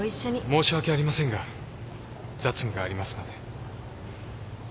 申し訳ありませんが雑務がありますので。